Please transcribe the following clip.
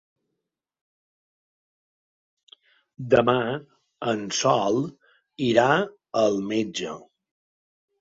Demà en Sol irà al metge.